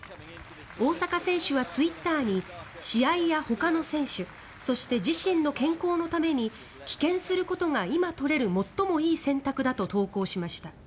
大坂選手はツイッターに試合やほかの選手そして、自身の健康のために棄権することが今取れる最もいい選択だと投稿しました。